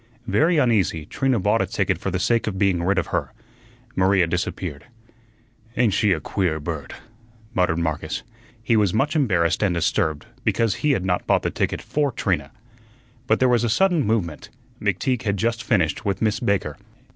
Very uneasy, Trina bought a ticket for the sake of being rid of her. Maria disappeared. "Ain't she a queer bird?" muttered Marcus. He was much embarrassed and disturbed because he had not bought the ticket for Trina. But there was a sudden movement. McTeague had just finished with Miss Baker.